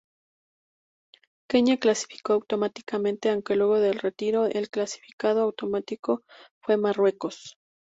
Kenia clasificó automáticamente aunque luego del retiro el clasificado automático fue Marruecos.